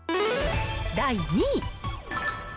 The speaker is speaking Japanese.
第２位。